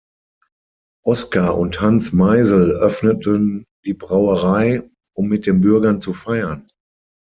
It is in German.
Oscar und Hans Maisel öffneten die Brauerei, um mit den Bürgern zu feiern.